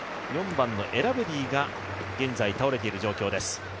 ４番のエラブディが現在倒れている状況です。